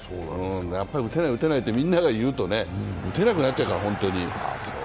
打てない、打てないってみんなが言うと本当に打てなくなっちゃうから。